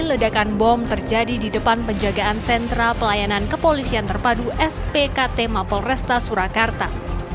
ledakan bom terjadi di depan penjagaan sentra pelayanan kepolisian terpadu spkt mapol resta surakarta